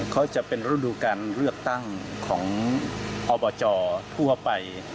เขาจะเป็นฤดูการเลือกตั้งของอบจทั่วไป